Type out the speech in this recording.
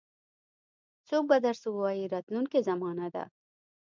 څوک به درس ووایي راتلونکې زمانه ده.